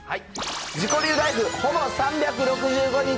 自己流ライフ、ほぼ３６５日